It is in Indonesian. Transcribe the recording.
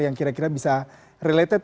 yang kira kira bisa related